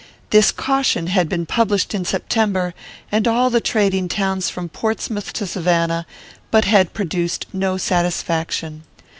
This caution had been published in September, in all the trading towns from Portsmouth to Savannah, but had produced no satisfaction.